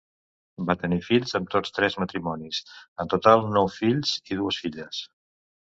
Va tenir fills amb tots tres matrimonis, en total nou fills i dues filles.